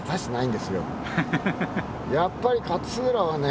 やっぱり勝浦はね